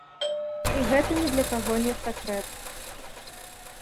І гэта ні для каго не сакрэт.